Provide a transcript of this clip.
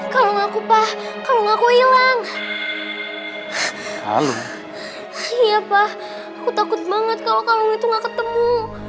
kalau aku pak kalau aku hilang halo halo siapa aku takut banget kalau kamu itu nggak ketemu